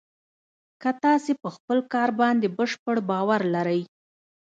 که تاسې په خپل کار باندې بشپړ باور لرئ